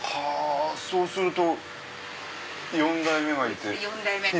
そうすると４代目がいて。